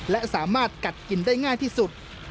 และสามารถกัดกินได้ง่ายที่สุด